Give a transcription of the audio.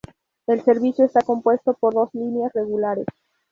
El servicio está compuesto por dos líneas regulares.